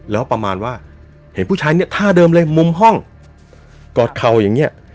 แล้วประมาณว่าเห็นผู้ชายเนี่ยท่าเดิมเลยมุมห้องกอดเข่าอย่างเงี้ย